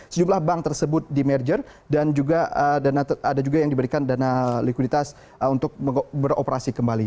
sejumlah bank tersebut di merger dan juga ada juga yang diberikan dana likuiditas untuk beroperasi kembali